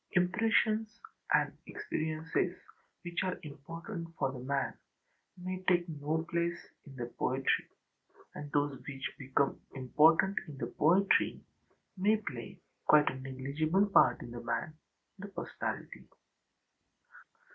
Impressions and experiences which are important for the man may take no place in the poetry, and those which become important in the poetry may play quite a negligible part in the man, the personality.